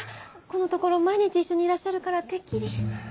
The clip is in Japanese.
このところ毎日一緒にいらっしゃるからてっきり。